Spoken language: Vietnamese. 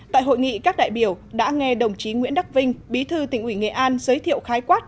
tại hội nghị các đại biểu đã nghe đồng chí nguyễn đắc vinh bí thư tỉnh ủy nghệ an giới thiệu khái quát